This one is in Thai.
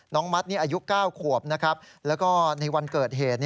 น้องมัตต์อายุ๙ขวบแล้วก็ในวันเกิดเหตุ